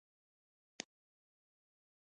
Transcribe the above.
حاجي دې په کور کې احرام وتړي.